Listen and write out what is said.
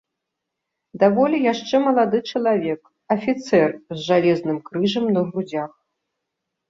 Даволі яшчэ малады чалавек, афіцэр з жалезным крыжам на грудзях.